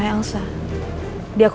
tidak ada bilis tuh